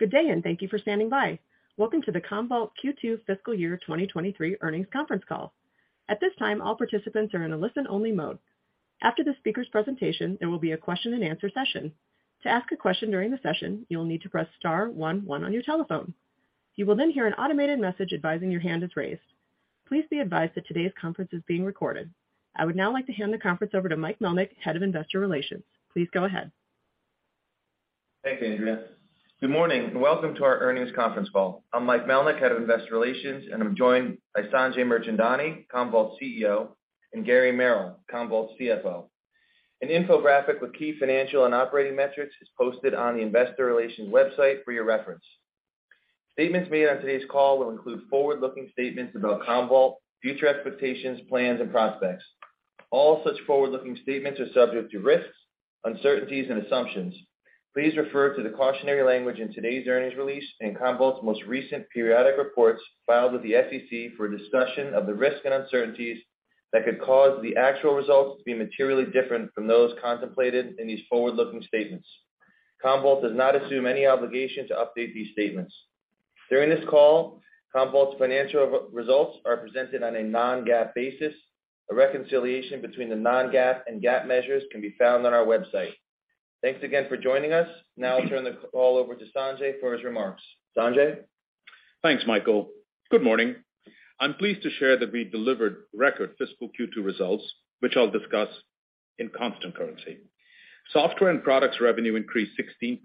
Good day, and thank you for standing by. Welcome to the Commvault Q2 fiscal year 2023 earnings conference call. At this time, all participants are in a listen-only mode. After the speaker's presentation, there will be a question-and-answer session. To ask a question during the session, you will need to press star-one-one on your telephone. You will then hear an automated message advising your hand is raised. Please be advised that today's conference is being recorded. I would now like to hand the conference over to Michael Melnyk, Head of Investor Relations. Please go ahead. Thanks, Andrea. Good morning, and welcome to our earnings conference call. I'm Michael Melnyk, Head of Investor Relations, and I'm joined by Sanjay Mirchandani, Commvault's CEO, and Gary Merrill, Commvault's CFO. An infographic with key financial and operating metrics is posted on the investor relations website for your reference. Statements made on today's call will include forward-looking statements about Commvault, future expectations, plans, and prospects. All such forward-looking statements are subject to risks, uncertainties, and assumptions. Please refer to the cautionary language in today's earnings release and Commvault's most recent periodic reports filed with the SEC for a discussion of the risks and uncertainties that could cause the actual results to be materially different from those contemplated in these forward-looking statements. Commvault does not assume any obligation to update these statements. During this call, Commvault's financial results are presented on a non-GAAP basis. A reconciliation between the non-GAAP and GAAP measures can be found on our website. Thanks again for joining us. Now I'll turn the call over to Sanjay for his remarks. Sanjay? Thanks, Michael. Good morning. I'm pleased to share that we delivered record fiscal Q2 results, which I'll discuss in constant currency. Software and products revenue increased 16%.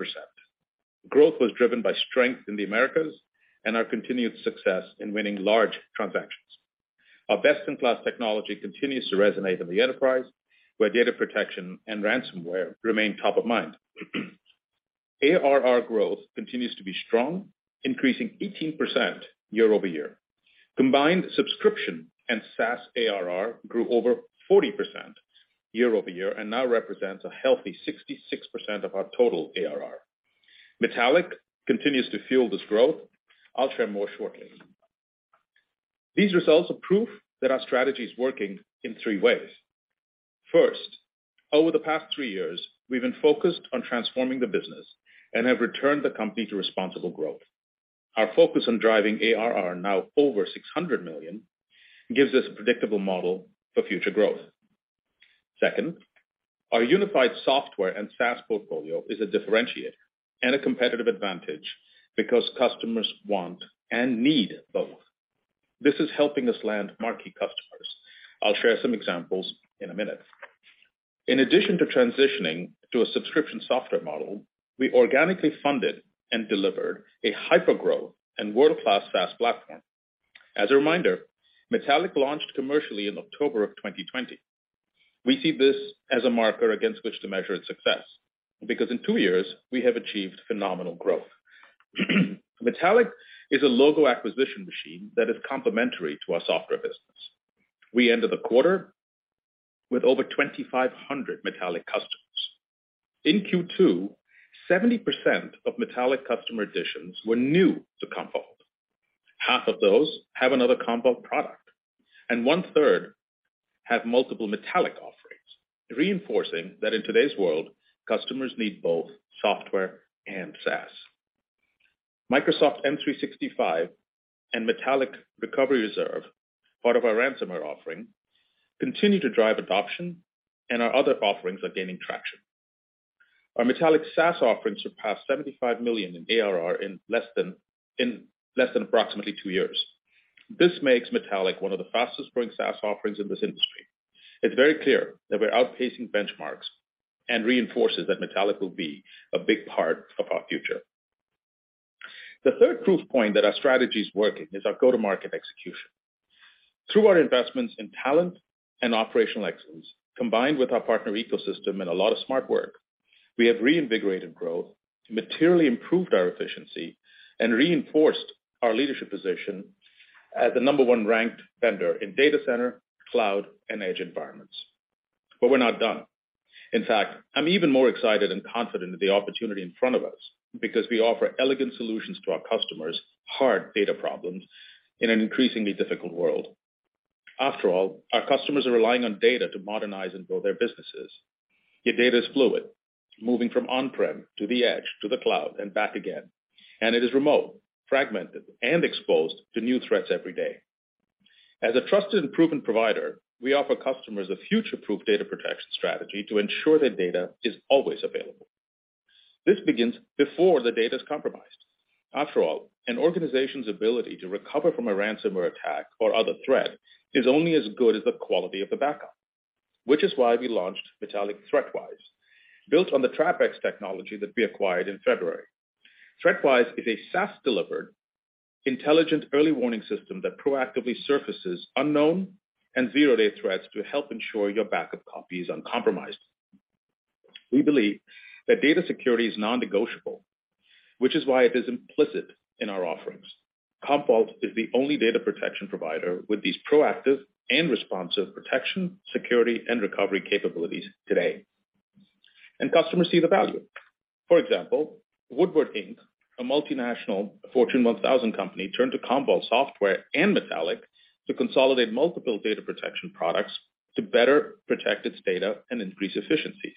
Growth was driven by strength in the Americas and our continued success in winning large transactions. Our best-in-class technology continues to resonate in the enterprise, where data protection and ransomware remain top of mind. ARR growth continues to be strong, increasing 18% year-over-year. Combined subscription and SaaS ARR grew over 40% year-over-year and now represents a healthy 66% of our total ARR. Metallic continues to fuel this growth. I'll share more shortly. These results are proof that our strategy is working in three ways. First, over the past three years, we've been focused on transforming the business and have returned the company to responsible growth. Our focus on driving ARR now over $600 million gives us a predictable model for future growth. Second, our unified software and SaaS portfolio is a differentiator and a competitive advantage because customers want and need both. This is helping us land marquee customers. I'll share some examples in a minute. In addition to transitioning to a subscription software model, we organically funded and delivered a hyper-growth and world-class SaaS platform. As a reminder, Metallic launched commercially in October of 2020. We see this as a marker against which to measure its success, because in two years we have achieved phenomenal growth. Metallic is a logo acquisition machine that is complementary to our software business. We ended the quarter with over 2,500 Metallic customers. In Q2, 70% of Metallic customer additions were new to Commvault. Half of those have another Commvault product, and one-third have multiple Metallic offerings, reinforcing that in today's world, customers need both software and SaaS. Microsoft 365 and Metallic Recovery Reserve, part of our ransomware offering, continue to drive adoption, and our other offerings are gaining traction. Our Metallic SaaS offerings surpassed $75 million in ARR in less than approximately two years. This makes Metallic one of the fastest-growing SaaS offerings in this industry. It's very clear that we're outpacing benchmarks and reinforces that Metallic will be a big part of our future. The third proof point that our strategy is working is our go-to-market execution. Through our investments in talent and operational excellence, combined with our partner ecosystem and a lot of smart work, we have reinvigorated growth, materially improved our efficiency, and reinforced our leadership position as the number one ranked vendor in data center, cloud, and edge environments. We're not done. In fact, I'm even more excited and confident in the opportunity in front of us because we offer elegant solutions to our customers' hard data problems in an increasingly difficult world. After all, our customers are relying on data to modernize and grow their businesses. Yet data is fluid, moving from on-prem to the edge, to the cloud and back again, and it is remote, fragmented, and exposed to new threats every day. As a trusted and proven provider, we offer customers a future-proof data protection strategy to ensure their data is always available. This begins before the data is compromised. After all, an organization's ability to recover from a ransomware attack or other threat is only as good as the quality of the backup. Which is why we launched Metallic ThreatWise, built on the TrapX technology that we acquired in February. ThreatWise is a SaaS-delivered intelligent early warning system that proactively surfaces unknown and zero-day threats to help ensure your backup copy is uncompromised. We believe that data security is non-negotiable, which is why it is implicit in our offerings. Commvault is the only data protection provider with these proactive and responsive protection, security, and recovery capabilities today. Customers see the value. For example, Woodward, Inc., a multinational Fortune 1000 company, turned to Commvault software and Metallic to consolidate multiple data protection products to better protect its data and increase efficiencies.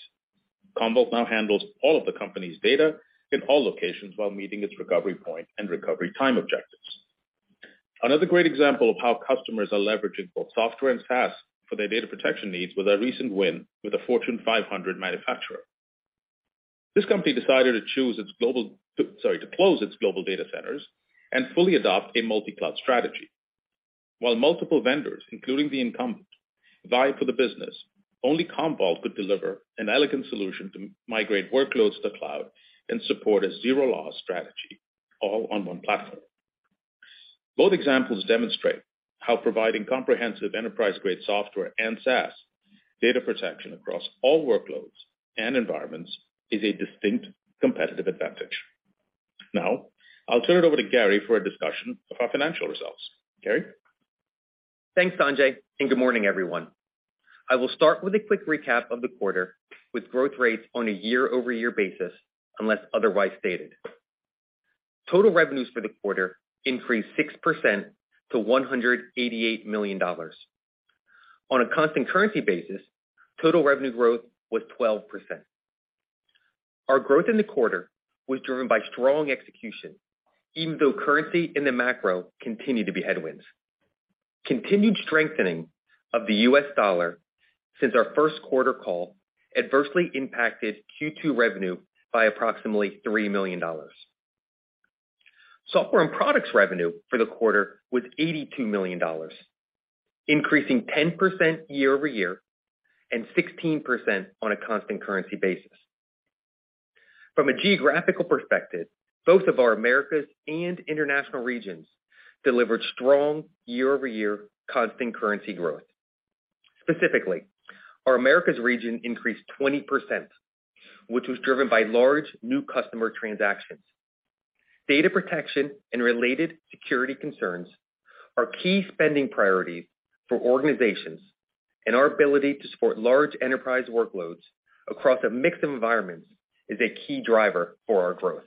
Commvault now handles all of the company's data in all locations while meeting its recovery point and recovery time objectives. Another great example of how customers are leveraging both software and SaaS for their data protection needs was our recent win with a Fortune 500 manufacturer. This company decided to close its global data centers and fully adopt a multi-cloud strategy. While multiple vendors, including the incumbent, vied for the business, only Commvault could deliver an elegant solution to migrate workloads to cloud and support a zero-loss strategy all on one platform. Both examples demonstrate how providing comprehensive enterprise-grade software and SaaS data protection across all workloads and environments is a distinct competitive advantage. Now, I'll turn it over to Gary for a discussion of our financial results. Gary? Thanks, Sanjay, and good morning, everyone. I will start with a quick recap of the quarter, with growth rates on a year-over-year basis, unless otherwise stated. Total revenues for the quarter increased 6% to $188 million. On a constant currency basis, total revenue growth was 12%. Our growth in the quarter was driven by strong execution, even though currency and the macro continued to be headwinds. Continued strengthening of the US dollar since our Q1 call adversely impacted Q2 revenue by approximately $3 million. Software and products revenue for the quarter was $82 million, increasing 10% year-over-year and 16% on a constant currency basis. From a geographical perspective, both of our Americas and International regions delivered strong year-over-year constant currency growth. Specifically, our Americas region increased 20%, which was driven by large new customer transactions. Data protection and related security concerns are key spending priorities for organizations, and our ability to support large enterprise workloads across a mixed environment is a key driver for our growth.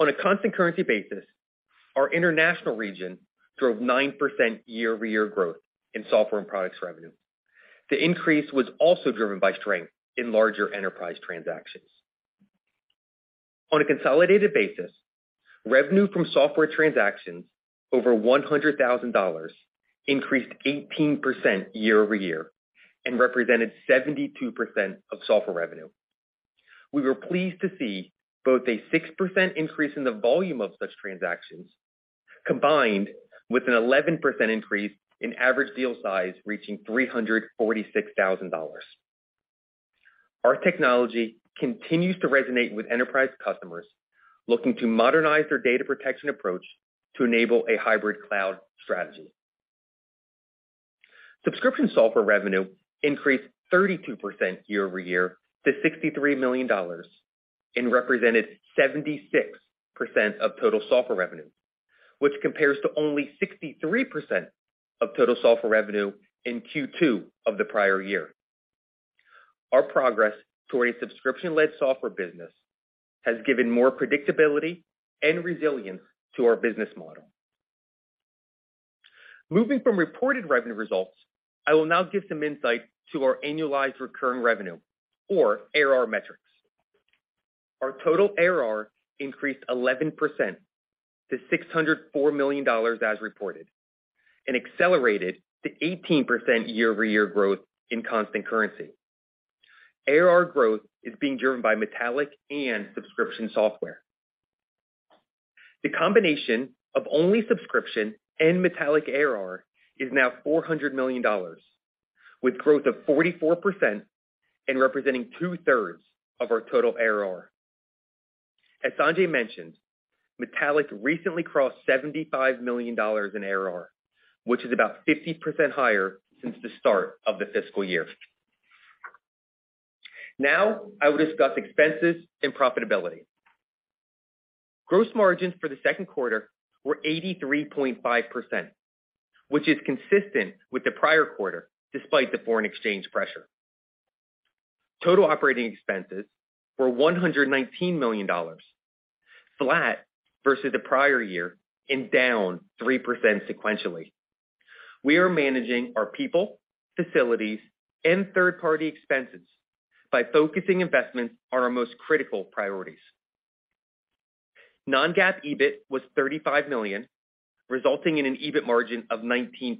On a constant currency basis, our international region drove 9% year-over-year growth in software and products revenue. The increase was also driven by strength in larger enterprise transactions. On a consolidated basis, revenue from software transactions over $100,000 increased 18% year-over-year and represented 72% of software revenue. We were pleased to see both a 6% increase in the volume of such transactions, combined with an 11% increase in average deal size reaching $346,000. Our technology continues to resonate with enterprise customers looking to modernize their data protection approach to enable a hybrid cloud strategy. Subscription software revenue increased 32% year-over-year to $63 million and represented 76% of total software revenue, which compares to only 63% of total software revenue in Q2 of the prior year. Our progress toward a subscription-led software business has given more predictability and resilience to our business model. Moving from reported revenue results, I will now give some insight to our annualized recurring revenue or ARR metrics. Our total ARR increased 11% to $604 million as reported, and accelerated to 18% year-over-year growth in constant currency. ARR growth is being driven by Metallic and subscription software. The combination of only subscription and Metallic ARR is now $400 million, with growth of 44% and representing two-thirds of our total ARR. As Sanjay mentioned, Metallic recently crossed $75 million in ARR, which is about 50% higher since the start of the fiscal year. Now I will discuss expenses and profitability. Gross margins for the Q2 were 83.5%, which is consistent with the prior quarter despite the foreign exchange pressure. Total operating expenses were $119 million, flat versus the prior year and down 3% sequentially. We are managing our people, facilities, and third-party expenses by focusing investments on our most critical priorities. Non-GAAP EBIT was $35 million, resulting in an EBIT margin of 19%.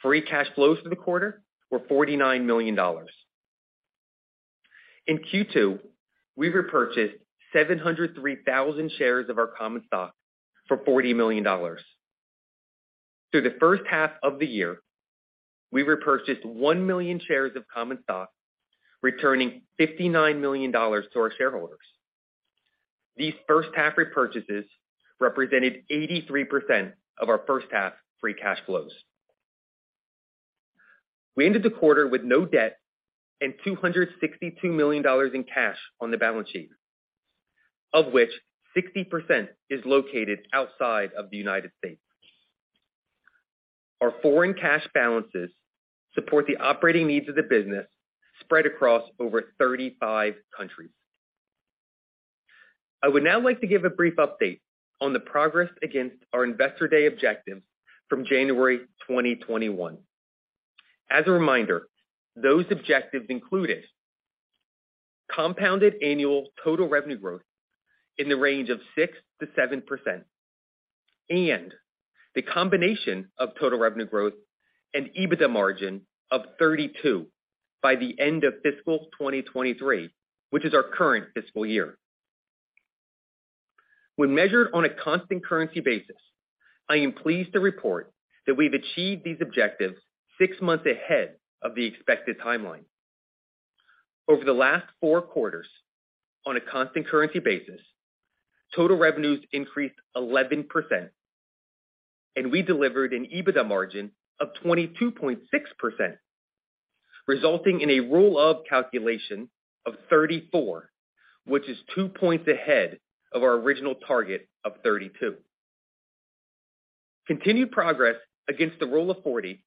Free cash flows for the quarter were $49 million. In Q2, we repurchased 703,000 shares of our common stock for $40 million. Through the first half of the year, we repurchased one million shares of common stock, returning $59 million to our shareholders. These first half repurchases represented 83% of our first half free cash flows. We ended the quarter with no debt and $262 million in cash on the balance sheet, of which 60% is located outside of the United States. Our foreign cash balances support the operating needs of the business spread across over 35 countries. I would now like to give a brief update on the progress against our Investor Day objectives from January 2021. As a reminder, those objectives included compounded annual total revenue growth in the range of 6%-7%, and the combination of total revenue growth and EBITDA margin of 32% by the end of fiscal 2023, which is our current fiscal year. When measured on a constant currency basis, I am pleased to report that we've achieved these objectives six months ahead of the expected timeline. Over the last four quarters on a constant currency basis, total revenues increased 11%, and we delivered an EBITDA margin of 22.6%, resulting in a Rule of 40 calculation of 34, which is two points ahead of our original target of 32. Continued progress against the Rule of 40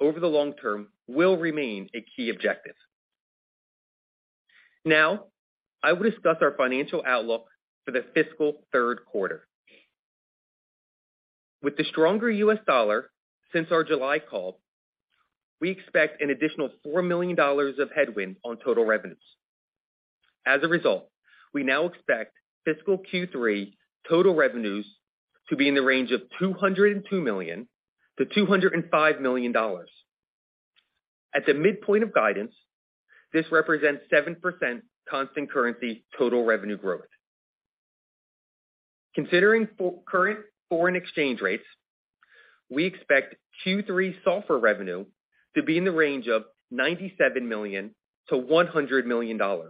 over the long term will remain a key objective. Now I will discuss our financial outlook for the fiscal Q3. With the stronger US dollar since our July call, we expect an additional $4 million of headwind on total revenues. As a result, we now expect fiscal Q3 total revenues to be in the range of $202 million-$205 million. At the midpoint of guidance, this represents 7% constant currency total revenue growth. Considering current foreign exchange rates, we expect Q3 software revenue to be in the range of $97 million-$100 million. On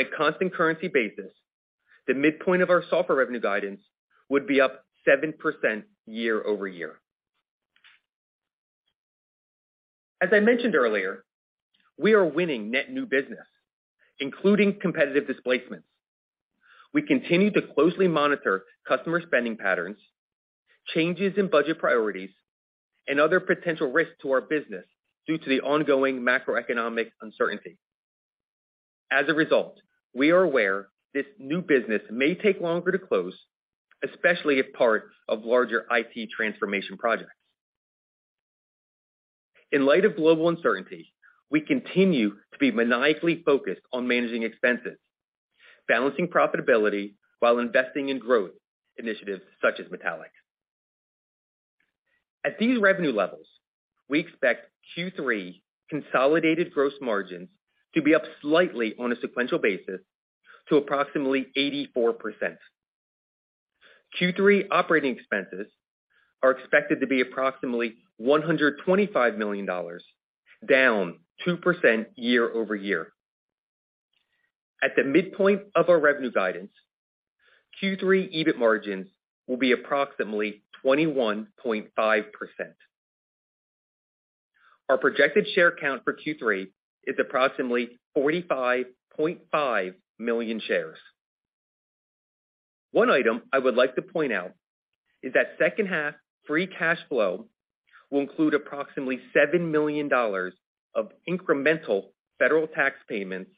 a constant currency basis, the midpoint of our software revenue guidance would be up 7% year-over-year. As I mentioned earlier, we are winning net new business, including competitive displacements. We continue to closely monitor customer spending patterns, changes in budget priorities, and other potential risks to our business due to the ongoing macroeconomic uncertainty. As a result, we are aware this new business may take longer to close, especially if part of larger IT transformation projects. In light of global uncertainty, we continue to be maniacally focused on managing expenses, balancing profitability while investing in growth initiatives such as Metallic. At these revenue levels, we expect Q3 consolidated gross margins to be up slightly on a sequential basis to approximately 84%. Q3 operating expenses are expected to be approximately $125 million, down 2% year-over-year. At the midpoint of our revenue guidance, Q3 EBIT margins will be approximately 21.5%. Our projected share count for Q3 is approximately 45.5 million shares. One item I would like to point out is that second half free cash flow will include approximately $7 million of incremental federal tax payments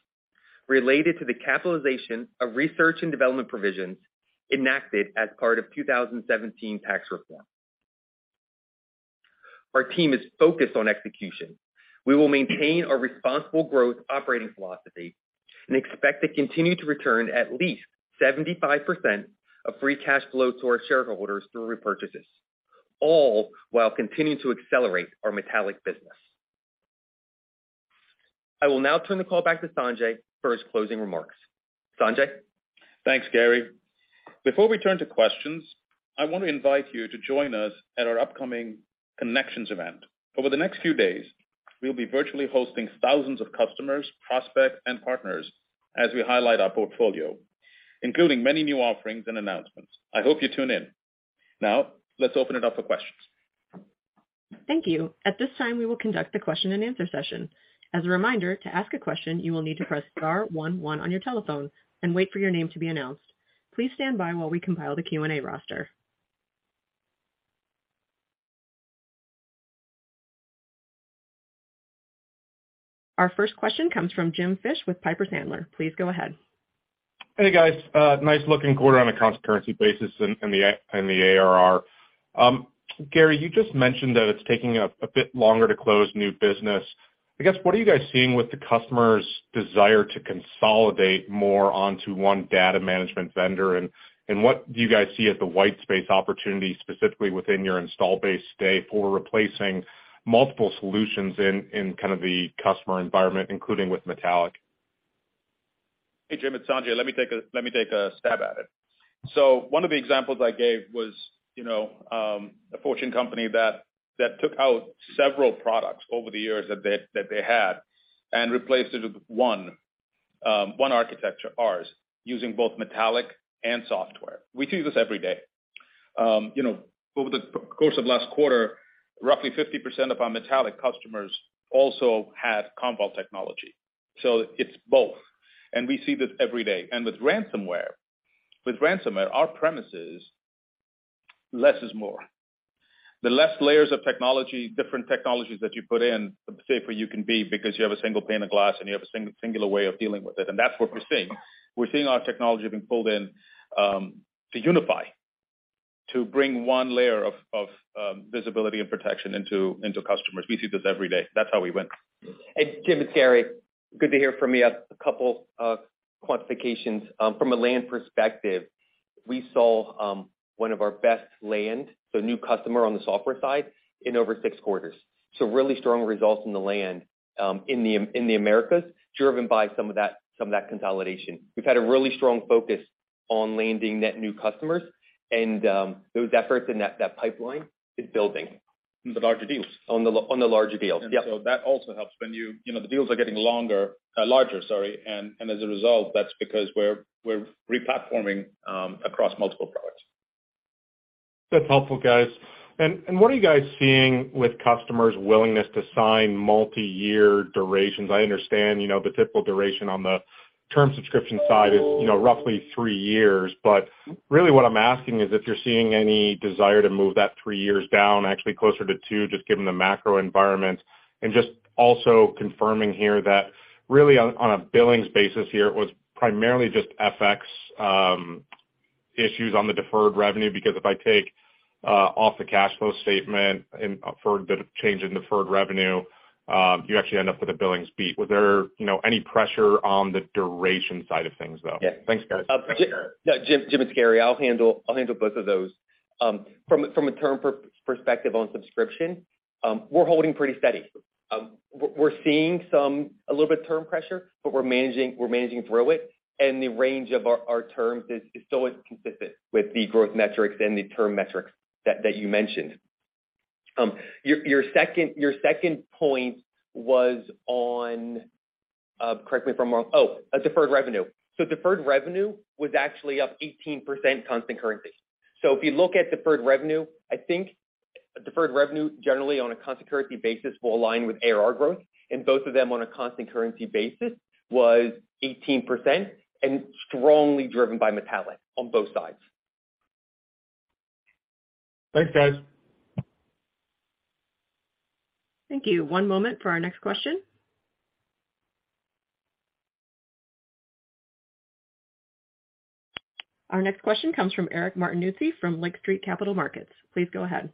related to the capitalization of research and development provisions enacted as part of 2017 tax reform. Our team is focused on execution. We will maintain our responsible growth operating philosophy and expect to continue to return at least 75% of free cash flow to our shareholders through repurchases, all while continuing to accelerate our Metallic business. I will now turn the call back to Sanjay for his closing remarks. Sanjay? Thanks, Gary. Before we turn to questions, I want to invite you to join us at our upcoming Connections event. Over the next few days, we'll be virtually hosting thousands of customers, prospects, and partners as we highlight our portfolio, including many new offerings and announcements. I hope you tune in. Now let's open it up for questions. Thank you. At this time, we will conduct the question-and-answer session. As a reminder, to ask a question, you will need to press star one one on your telephone and wait for your name to be announced. Please stand by while we compile the Q&A roster. Our first question comes from James Fish with Piper Sandler. Please go ahead. Hey, guys, nice looking quarter on a constant currency basis and the ARR. Gary, you just mentioned that it's taking a bit longer to close new business. I guess, what are you guys seeing with the customer's desire to consolidate more onto one data management vendor? What do you guys see as the white space opportunity specifically within your installed base today for replacing multiple solutions in kind of the customer environment, including with Metallic? Hey, James, it's Sanjay. Let me take a stab at it. One of the examples I gave was, you know, a Fortune company that took out several products over the years that they had and replaced it with one architecture, ours, using both Metallic and software. We see this every day. You know, over the course of last quarter, roughly 50% of our Metallic customers also had Commvault technology. It's both. We see this every day. With ransomware, our premise is less is more. The less layers of technology, different technologies that you put in, the safer you can be because you have a single pane of glass and you have a singular way of dealing with it. That's what we're seeing. We're seeing our technology being pulled in, to unify, to bring one layer of visibility and protection into customers. We see this every day. That's how we win. Hey, James, it's Gary. Good to hear from you. A couple quantifications from a land perspective. We saw one of our best land, so new customer on the software side in over six quarters. Really strong results in the land in the Americas, driven by some of that consolidation. We've had a really strong focus on landing net new customers and those efforts in that pipeline is building. The larger deals. On the larger deals, yep. That also helps. You know, the deals are getting longer, larger. Sorry. As a result, that's because we're replatforming across multiple products. That's helpful, guys. What are you guys seeing with customers' willingness to sign multi-year durations? I understand, you know, the typical duration on the term subscription side is, you know, roughly three years. Really what I'm asking is if you're seeing any desire to move that three years down, actually closer to two, just given the macro environment. Just also confirming here that really on a billings basis here, it was primarily just FX issues on the deferred revenue because if I take off the cash flow statement for the change in deferred revenue, you actually end up with a billings beat. Was there, you know, any pressure on the duration side of things, though? Yeah. Thanks, guys. James, it's Gary. I'll handle both of those. From a term perspective on subscription, we're holding pretty steady. We're seeing a little bit term pressure, but we're managing through it. The range of our terms is still as consistent with the growth metrics and the term metrics that you mentioned. Your second point was, correct me if I'm wrong, on deferred revenue. Deferred revenue was actually up 18% constant currency. If you look at deferred revenue, I think deferred revenue generally on a constant currency basis will align with ARR growth. Both of them on a constant currency basis was 18% and strongly driven by Metallic on both sides. Thanks, guys. Thank you. One moment for our next question. Our next question comes from Eric Martinuzzi from Lake Street Capital Markets. Please go ahead.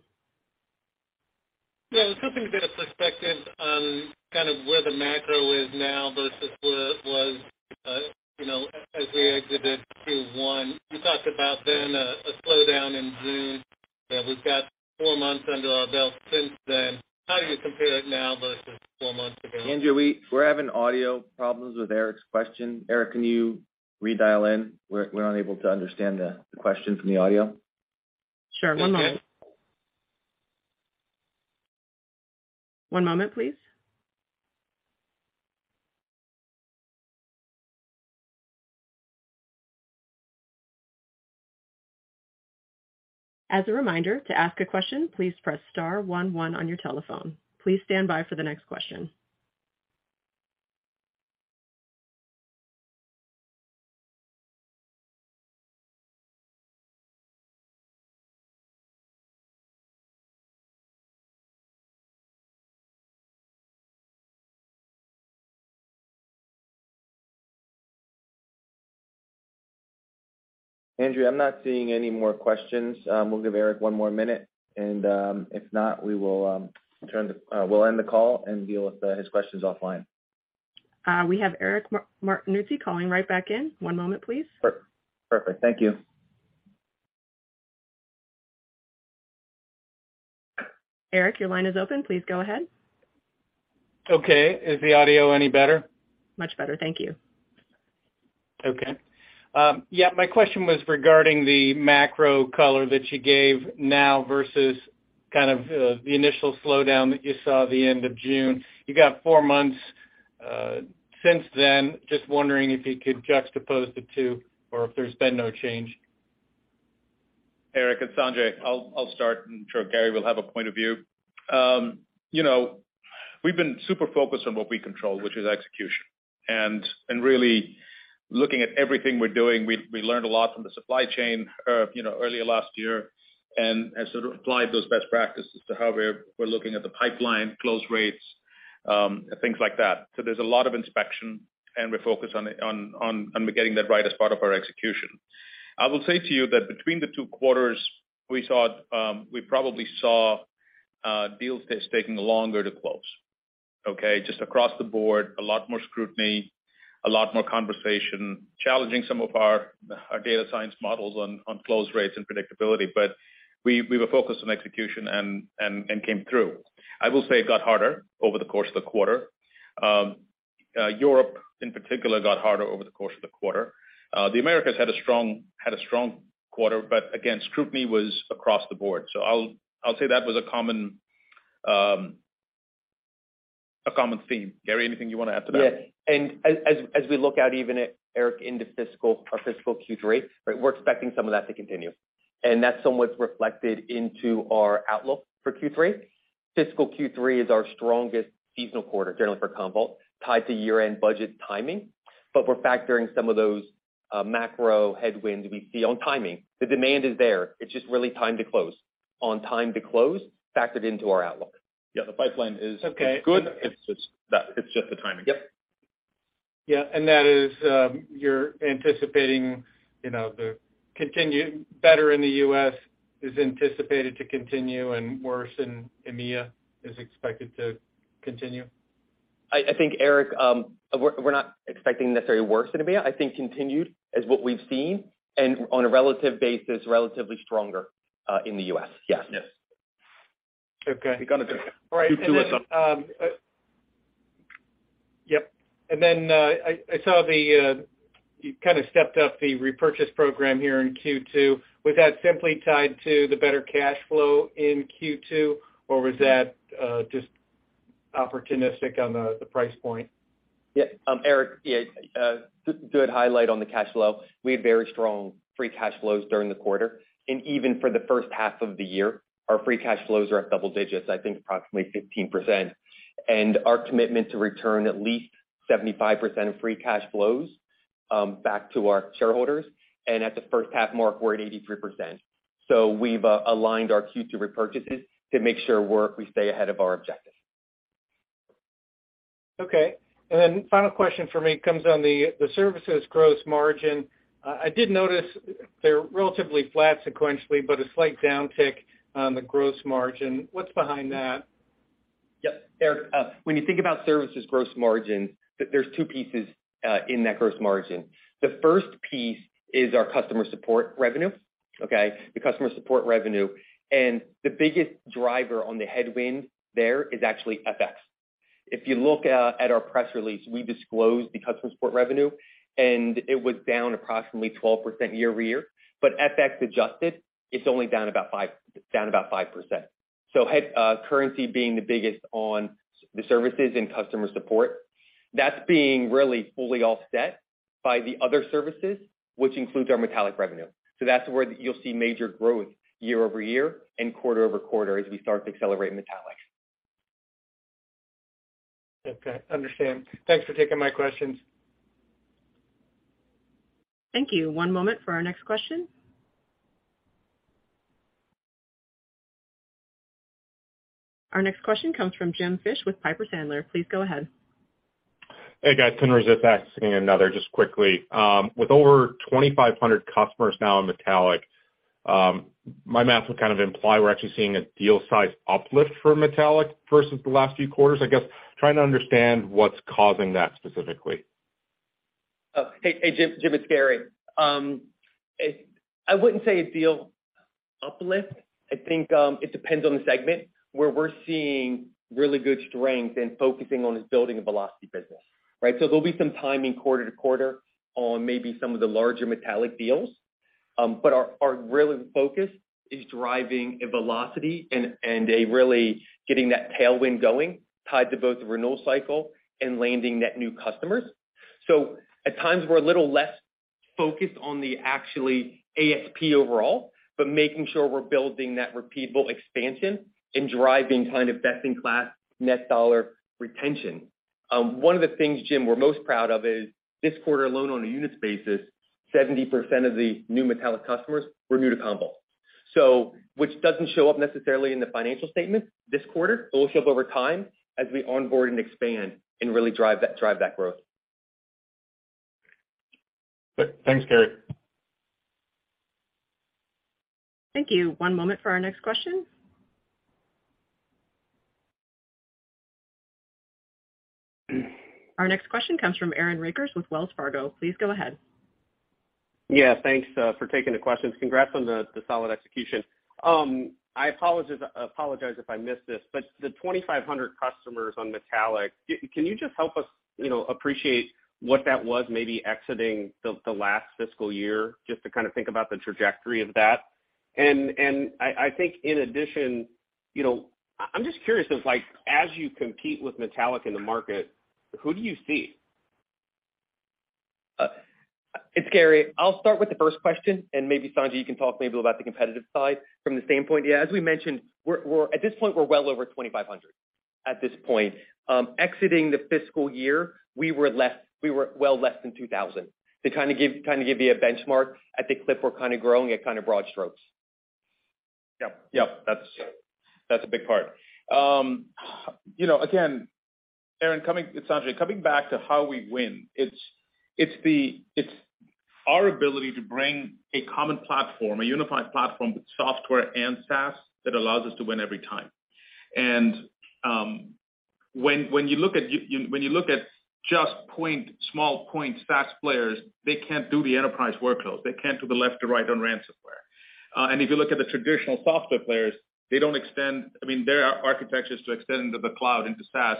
Yeah, just hoping to get a perspective on kind of where the macro is now versus where it was, you know, as we exited Q1. You know, we've got four months under our belt since then. How do you compare it now versus four months ago? Andrea, we're having audio problems with Eric's question. Eric, can you redial in? We're unable to understand the question from the audio. Sure. One moment. Okay. One moment, please. As a reminder, to ask a question, please press star one one on your telephone. Please stand by for the next question. Andrea, I'm not seeing any more questions. We'll give Eric one more minute, and if not, we'll end the call and deal with his questions offline. We have Eric Martinuzzi calling right back in. One moment, please. Perfect. Thank you. Eric, your line is open. Please go ahead. Okay. Is the audio any better? Much better. Thank you. Okay. Yeah, my question was regarding the macro color that you gave now versus kind of, the initial slowdown that you saw at the end of June. You got four months since then. Just wondering if you could juxtapose the two or if there's been no change? Eric, it's Sanjay. I'll start, and I'm sure Gary will have a point of view. You know, we've been super focused on what we control, which is execution. Really looking at everything we're doing, we learned a lot from the supply chain, you know, earlier last year and sort of applied those best practices to how we're looking at the pipeline, close rates, things like that. There's a lot of inspection, and we're focused on getting that right as part of our execution. I will say to you that between the two quarters, we saw, we probably saw deals just taking longer to close, okay. Just across the board, a lot more scrutiny, a lot more conversation, challenging some of our data science models on close rates and predictability. We were focused on execution and came through. I will say it got harder over the course of the quarter. Europe in particular got harder over the course of the quarter. The Americas had a strong quarter, but again, scrutiny was across the board. I'll say that was a common theme. Gary, anything you wanna add to that? Yes. As we look out even at Eric into our fiscal Q3, right, we're expecting some of that to continue, and that's somewhat reflected into our outlook for Q3. Fiscal Q3 is our strongest seasonal quarter generally for Commvault, tied to year-end budget timing, but we're factoring some of those macro headwinds we see on timing. The demand is there. It's just really time to close. On time to close, factored into our outlook. Yeah. The pipeline is Okay. It's just the timing. Yep. Yeah. That is, you're anticipating, you know, the better in the U.S. is anticipated to continue and worse in EMEA is expected to continue? I think, Eric, we're not expecting necessarily worse in EMEA. I think continued is what we've seen and on a relative basis, relatively stronger in the U.S. Yes. Yes. Okay. You got it. Q2 is... Yep. Then, I saw you kind of stepped up the repurchase program here in Q2. Was that simply tied to the better cash flow in Q2, or was that just opportunistic on the price point? Yeah. Eric, good highlight on the cash flow. We had very strong free cash flows during the quarter. Even for the first half of the year, our free cash flows are at double digits, I think approximately 15%. Our commitment to return at least 75% of free cash flows back to our shareholders. At the first half mark, we're at 83%. We've aligned our Q2 repurchases to make sure we stay ahead of our objective. Okay. Final question for me comes on the services gross margin. I did notice they're relatively flat sequentially, but a slight downtick on the gross margin. What's behind that? Yep. Eric, when you think about services gross margin, there's two pieces in that gross margin. The first piece is our customer support revenue. The customer support revenue. The biggest driver on the headwind there is actually FX. If you look at our press release, we disclosed the customer support revenue, and it was down approximately 12% year-over-year. FX adjusted, it's only down about 5%. Headwind, currency being the biggest on the services and customer support. That's being really fully offset by the other services, which includes our Metallic revenue. That's where you'll see major growth year-over-year and QoQ as we start to accelerate Metallic. Okay. Understand. Thanks for taking my questions. Thank you. One moment for our next question. Our next question comes from James Fish with Piper Sandler. Please go ahead. Hey, guys. Couldn't resist asking another just quickly. With over 2,500 customers now on Metallic, my math would kind of imply we're actually seeing a deal size uplift for Metallic versus the last few quarters. I guess trying to understand what's causing that specifically? Hey, Jam. It's Gary. I wouldn't say a deal uplift. I think it depends on the segment where we're seeing really good strength and focusing on building a velocity business, right? There'll be some timing quarter to quarter on maybe some of the larger Metallic deals. Our really focus is driving a velocity and really getting that tailwind going tied to both the renewal cycle and landing net new customers. At times, we're a little less focused on the actual ASP overall, but making sure we're building that repeatable expansion and driving kind of best-in-class Net Dollar Retention. One of the things, Jim, we're most proud of is this quarter alone on a unit basis, 70% of the new Metallic customers were new to Commvault. Which doesn't show up necessarily in the financial statement this quarter, but will show up over time as we onboard and expand and really drive that growth. Thanks, Gary. Thank you. One moment for our next question. Our next question comes from Aaron Rakers with Wells Fargo. Please go ahead. Yeah. Thanks, for taking the questions. Congrats on the solid execution. I apologize if I missed this, but the 2,500 customers on Metallic, can you just help us, you know, appreciate what that was maybe exiting the last fiscal year, just to kind of think about the trajectory of that? I think in addition, you know, I'm just curious, like, as you compete with Metallic in the market, who do you see? It's Gary. I'll start with the first question and maybe, Sanjay, you can talk maybe about the competitive side from the same point. Yeah, as we mentioned, we're at this point, we're well over 2,500, at this point. Exiting the fiscal year, we were well less than 2,000. To kind of give you a benchmark, at the clip, we're kind of growing at kind of broad strokes. Yep. Yep. That's a big part. You know, again, Aaron, it's Sanjay. Coming back to how we win, it's our ability to bring a common platform, a unified platform with software and SaaS that allows us to win every time. When you look at just point small point SaaS players, they can't do the enterprise workloads. They can't do the left to right on ransomware. If you look at the traditional software players, they don't extend. I mean, their architectures to extend into the cloud, into SaaS,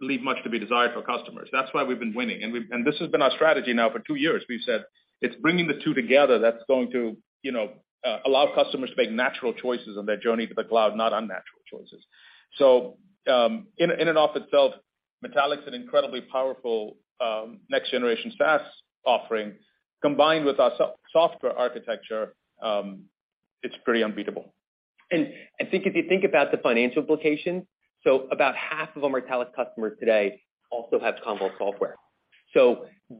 leave much to be desired for customers. That's why we've been winning. This has been our strategy now for two years. We've said it's bringing the two together that's going to, you know, allow customers to make natural choices on their journey to the cloud, not unnatural choices. In and of itself, Metallic's an incredibly powerful next generation SaaS offering combined with our software architecture, it's pretty unbeatable. I think if you think about the financial implications, so about half of our Metallic customers today also have Commvault software.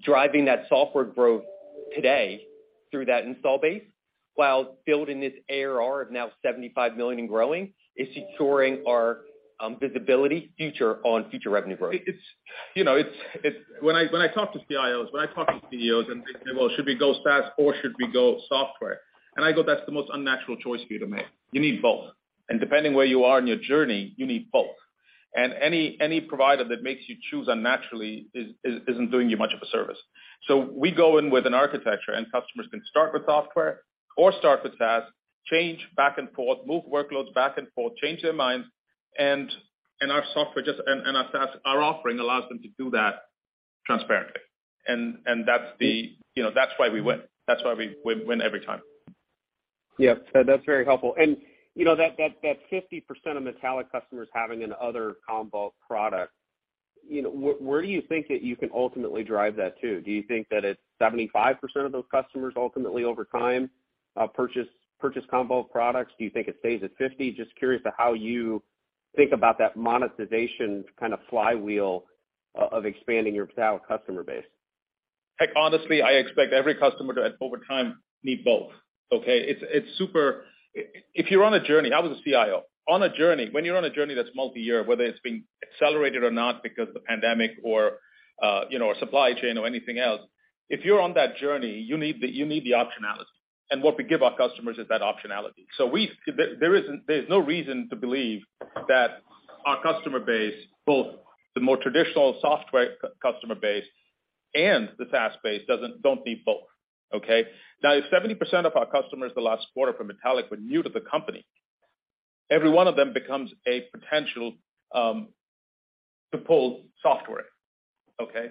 Driving that software growth today through that installed base while building this ARR of $75 million and growing is securing our visibility future on future revenue growth. You know, when I talk to CIOs, when I talk to CEOs, and they say, "Well, should we go SaaS or should we go software?" I go, "That's the most unnatural choice for you to make. You need both. Depending where you are in your journey, you need both." Any provider that makes you choose unnaturally isn't doing you much of a service. We go in with an architecture, and customers can start with software or start with SaaS, change back and forth, move workloads back and forth, change their minds, and our software and our SaaS, our offering allows them to do that transparently. You know, that's why we win. That's why we win every time. Yeah. That's very helpful. You know, that 50% of Metallic customers having another Commvault product, you know, where do you think that you can ultimately drive that to? Do you think that it's 75% of those customers ultimately over time purchase Commvault products? Do you think it stays at 50%? Just curious to how you think about that monetization kind of flywheel of expanding your new customer base. Heck, honestly, I expect every customer to over time need both, okay? It's super. If you're on a journey, I was a CIO. On a journey, when you're on a journey that's multi-year, whether it's been accelerated or not because of the pandemic or, you know, or supply chain or anything else, if you're on that journey, you need the optionality. What we give our customers is that optionality. There isn't. There's no reason to believe that our customer base, both the more traditional software customer base and the SaaS base don't need both, okay? Now if 70% of our customers the last quarter from Metallic were new to the company, every one of them becomes a potential to pull software, okay?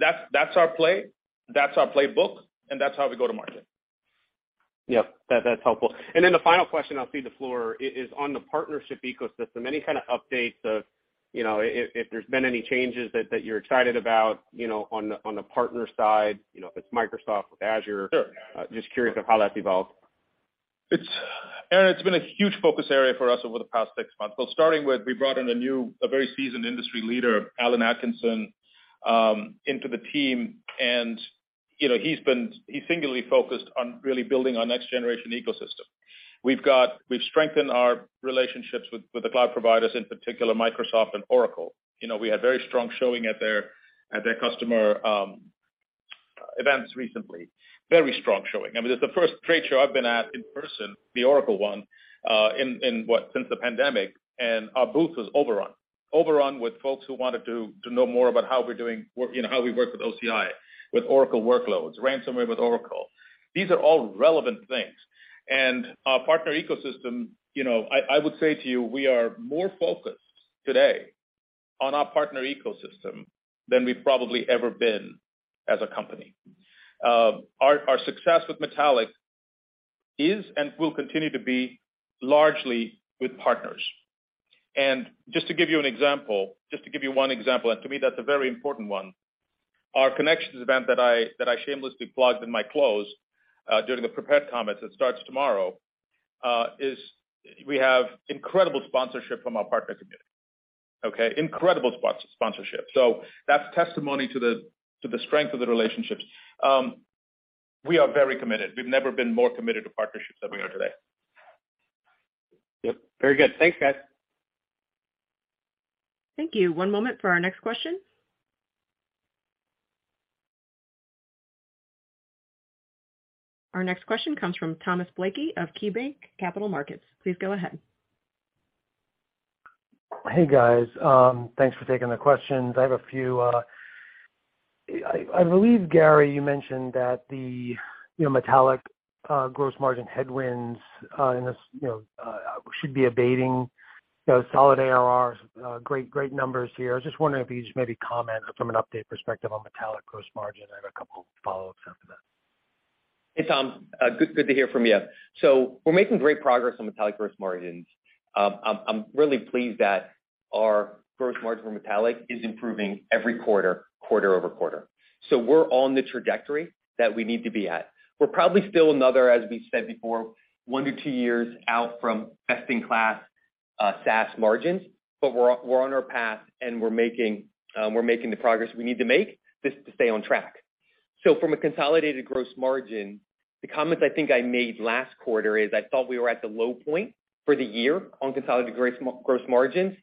That's our play, that's our playbook, and that's how we go to market. Yep. That's helpful. The final question I'll cede the floor is on the partnership ecosystem. Any kind of updates on, you know, if there's been any changes that you're excited about, you know, on the partner side, you know, if it's Microsoft with Azure. Sure. Just curious of how that's evolved. It's Aaron, it's been a huge focus area for us over the past six months. Starting with we brought in a new, very seasoned industry leader, Alan Atkinson, into the team. You know, he's singularly focused on really building our next generation ecosystem. We've strengthened our relationships with the cloud providers, in particular Microsoft and Oracle. You know, we had very strong showing at their customer events recently. Very strong showing. I mean, it's the first trade show I've been at in person, the Oracle one, in what? Since the pandemic, and our booth was overrun. Overrun with folks who wanted to know more about how we're doing work, you know, how we work with OCI, with Oracle workloads, ransomware with Oracle. These are all relevant things. Our partner ecosystem, you know, I would say to you, we are more focused today on our partner ecosystem than we've probably ever been as a company. Our success with Metallic is and will continue to be largely with partners. Just to give you one example, and to me that's a very important one, our Connections event that I shamelessly plugged in my close during the prepared comments that starts tomorrow is we have incredible sponsorship from our partner community, okay. Incredible sponsorship. That's testimony to the strength of the relationships. We are very committed. We've never been more committed to partnerships than we are today. Yep. Very good. Thanks, guys. Thank you. One moment for our next question. Our next question comes from Thomas Blakey of KeyBanc Capital Markets. Please go ahead. Hey, guys. Thanks for taking the questions. I have a few. I believe, Gary, you mentioned that the you know Metallic gross margin headwinds in this you know should be abating. You know, solid ARRs, great numbers here. I was just wondering if you could just maybe comment from an update perspective on Metallic gross margin. I have a couple follow-ups after that. Hey, Tom. Good to hear from you. We're making great progress on Metallic gross margins. I'm really pleased that our gross margin for Metallic is improving every QoQ. We're on the trajectory that we need to be at. We're probably still another, as we said before, one to two years out from best-in-class SaaS margins, but we're on our path, and we're making the progress we need to make just to stay on track. From a consolidated gross margin, the comments I think I made last quarter is I thought we were at the low point for the year on consolidated gross margins,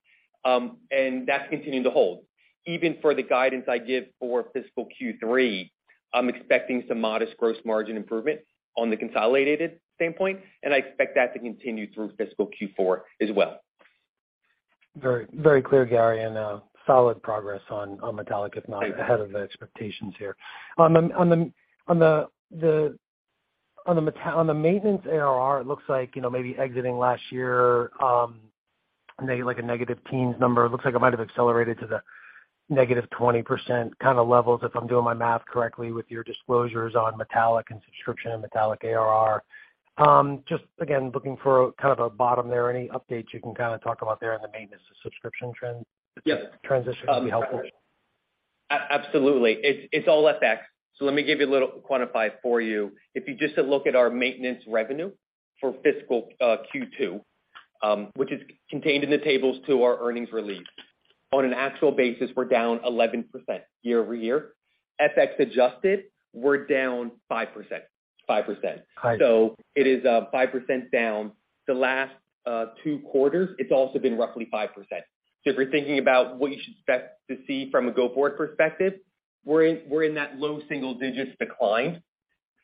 and that's continuing to hold. Even for the guidance I give for fiscal Q3, I'm expecting some modest gross margin improvement on the consolidated standpoint, and I expect that to continue through fiscal Q4 as well. Very, very clear, Gary, and solid progress on Metallic, if not ahead of the expectations here. On the maintenance ARR, it looks like, you know, maybe exiting last year, maybe like a negative teens number. It looks like it might have accelerated to the Negative 20% kind of levels, if I'm doing my math correctly with your disclosures on Metallic and subscription and Metallic ARR. Just again, looking for kind of a bottom there. Any updates you can kind of talk about there on the maintenance to subscription trend? Yep. Transition would be helpful. Absolutely. It's all FX. Let me give you a little quantification for you. If you just look at our maintenance revenue for fiscal Q2, which is contained in the tables to our earnings release. On an actual basis, we're down 11% year-over-year. FX adjusted, we're down 5%. 5%. Got it. It is 5% down. The last two quarters, it's also been roughly 5%. If you're thinking about what you should expect to see from a go forward perspective, we're in that low single digits decline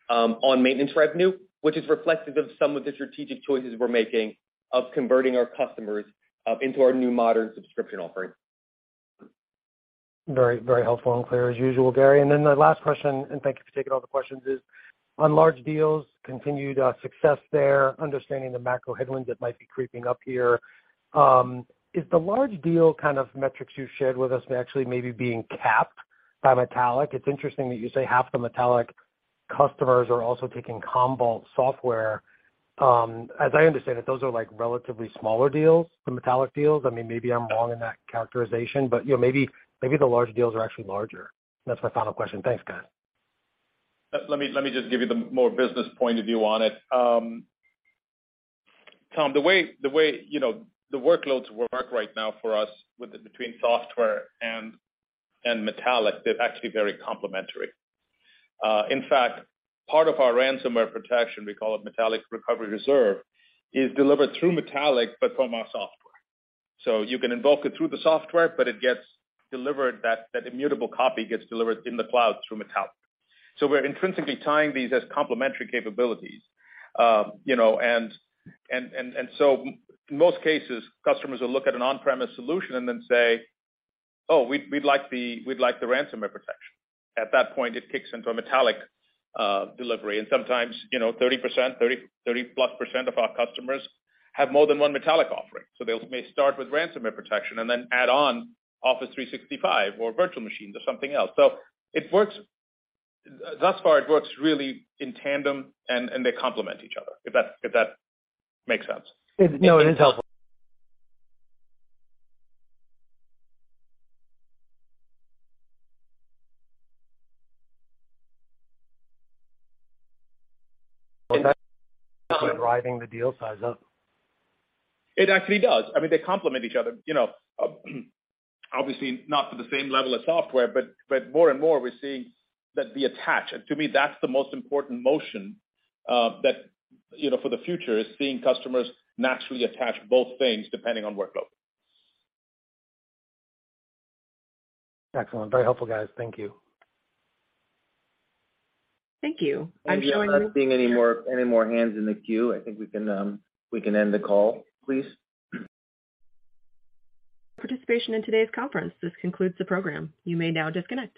on maintenance revenue, which is reflective of some of the strategic choices we're making of converting our customers into our new modern subscription offering. Very, very helpful and clear as usual, Gary. Then the last question, and thank you for taking all the questions, is on large deals, continued success there, understanding the macro headwinds that might be creeping up here. Is the large deal kind of metrics you shared with us actually maybe being capped by Metallic? It's interesting that you say half the Metallic customers are also taking Commvault software. As I understand it, those are like, relatively smaller deals, the Metallic deals. I mean, maybe I'm wrong in that characterization, but, you know, maybe the large deals are actually larger. That's my final question. Thanks, guys. Let me just give you the more business point of view on it. Tom, the way you know, the workloads work right now for us between software and Metallic, they're actually very complementary. In fact, part of our ransomware protection, we call it Metallic Recovery Reserve, is delivered through Metallic, but from our software. You can invoke it through the software, but that immutable copy gets delivered in the cloud through Metallic. We're intrinsically tying these as complementary capabilities. In most cases, customers will look at an on-premise solution and then say, "Oh, we'd like the ransomware protection." At that point, it kicks into a Metallic delivery. Sometimes, you know, 30%+ of our customers have more than one Metallic offering. They may start with ransomware protection and then add on Office 365 or virtual machines or something else. It works. Thus far, it works really in tandem, and they complement each other, if that makes sense. No, it is helpful. Driving the deal size up. It actually does. I mean, they complement each other. You know, obviously not to the same level of software, but more and more, we're seeing that they attach. To me, that's the most important motion that, you know, for the future is seeing customers naturally attach both things depending on workload. Excellent. Very helpful, guys. Thank you. Thank you. I'm not seeing any more hands in the queue. I think we can end the call, please. Participation in today's conference. This concludes the program. You may now disconnect.